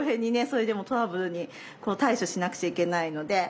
それでもトラブルに対処しなくちゃいけないので。